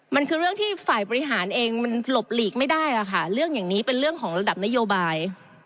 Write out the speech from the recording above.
มันคือเรื่องที่ฝ่ายบริหารเองมันหลบหลีกไม่ได้ล่ะค่ะเรื่องอย่างนี้เป็นเรื่องของระดับนโยบาย